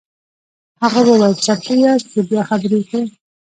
هغه وویل چمتو یاست چې بیا خبرې وکړو.